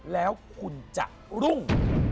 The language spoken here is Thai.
แล้วคุณจะรุ่ง